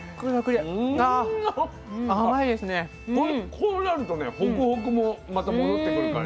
こうなるとねホクホクもまた戻ってくる感じ。